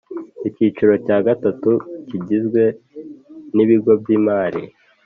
Icyiciro cya gatatu kigizwe n ibigo by’ imari .